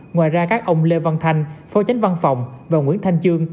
ngoài ra các ông lê văn thanh phó chánh văn phòng và nguyễn thanh chương